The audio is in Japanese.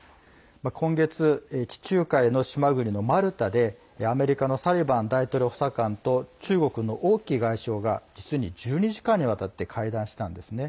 今月、地中海の島国のマルタでアメリカのサリバン大統領補佐官と中国の王毅外相が実に１２時間にわたって会談したんですね。